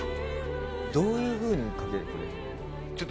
どういうふうにかけてくれるの？